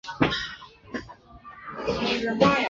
不停从她脸颊滑落